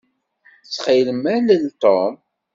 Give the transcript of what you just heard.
Ttxil-m, alel Tom.